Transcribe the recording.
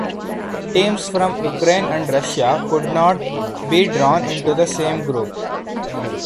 Teams from Ukraine and Russia could not be drawn into the same group.